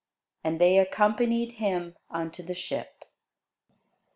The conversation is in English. And they accompanied him unto the ship.